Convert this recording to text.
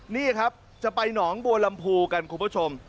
นี่ครับจะไปหนองบัวลำพูกันคุณผู้ชม